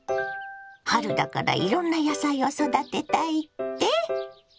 春だからいろんな野菜を育てたいって？